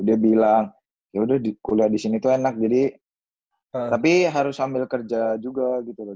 dia bilang yaudah kuliah di sini tuh enak jadi tapi harus sambil kerja juga gitu loh